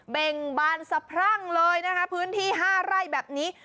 เบ่งบานสะพรั่งเลยนะคะพื้นที่๕ไร่แบบนี้